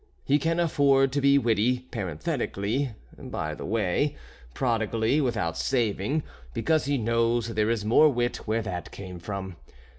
He can afford to be witty, parenthetically, by the way, prodigally, without saving, because he knows there is more wit where that came from.